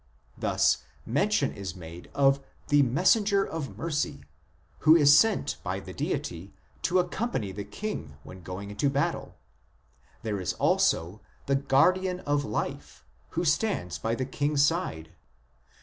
Thus, mention is made of " the messenger of mercy, * who is sent by the deity to accompany the king when going into battle ; there is also the " guardian of life " who stands by the king s side.